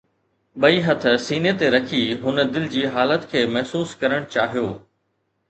ٻئي هٿ سيني تي رکي هن دل جي حالت کي محسوس ڪرڻ چاهيو